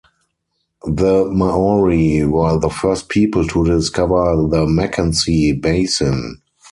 The Maori were the first people to discover the Mackenzie Basin.